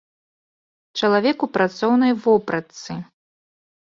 Чалавек у працоўнай вопратцы.